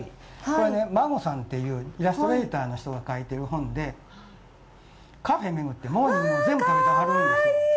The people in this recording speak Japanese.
これね、まごさんっていうイラストレーターの人が書いてる本なんですけどカフェめぐって、モーニング全部食べてはるんですよ。